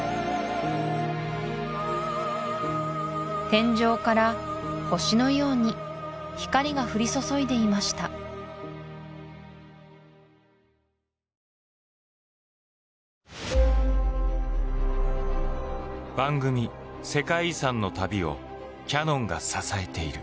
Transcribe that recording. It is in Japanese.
天井から星のように光が降り注いでいました番組「世界遺産」の旅をキヤノンが支えている。